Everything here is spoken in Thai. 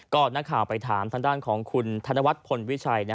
ก็นักข่าวไปถามทางด้านของคุณธนวัฒนพลวิชัย